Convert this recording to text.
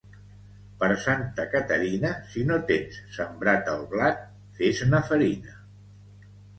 Per Santa Caterina, si no tens sembrat el blat, fes-ne farina